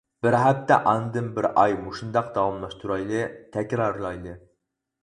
بىر ھەپتە ئاندىن بىر ئاي مۇشۇنداق داۋاملاشتۇرايلى تەكرارلايلى.